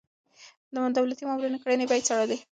د دولتي مامورينو کړنې به يې څارلې.